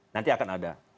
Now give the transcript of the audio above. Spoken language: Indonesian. nanti akan ada